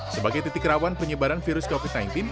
sebagai titik rawan penyebaran virus covid sembilan belas